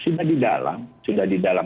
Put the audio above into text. sudah di dalam